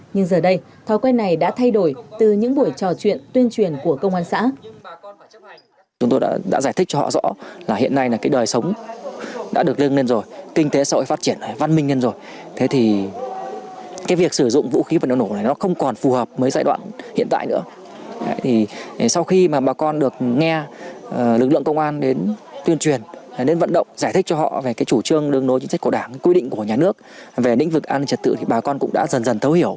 nhưng giờ đây thói quen này đã thay đổi từ những buổi trò chuyện tuyên truyền của công an xã